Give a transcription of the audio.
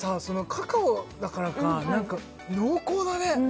カカオだからか何か濃厚だね！